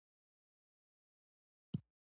دده واقعه ډېره جالبه ده.